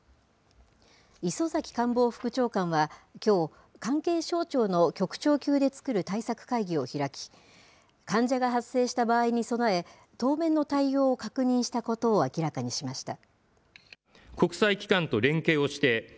磯崎官房副長官はきょう、関係省庁の局長級で作る対策会議を開き、患者が発生した場合に備え、当面の対応を確認したことを明らかにしました。